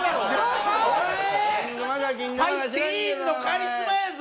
ティーンのカリスマやぞ！